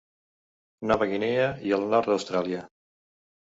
Nova Guinea i el nord d'Austràlia.